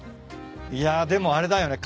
いやでもあれだよね。